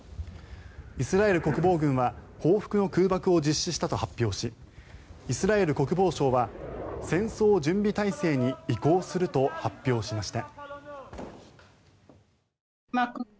イスラエル国防軍は報復の空爆を実施したと発表しイスラエル国防相は戦争準備態勢に移行すると発表しました。